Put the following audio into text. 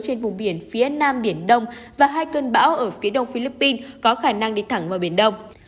trên vùng biển phía nam biển đông và hai cơn bão ở phía đông philippines có khả năng đi thẳng vào biển đông